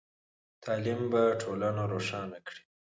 تعلیم به ټولنه روښانه کړئ.